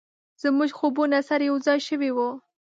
زموږ خوبونه سره یو ځای شوي و،